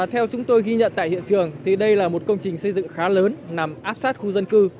theo chúng tôi ghi nhận tại hiện trường đây là một công trình xây dựng khá lớn nằm áp sát khu dân cư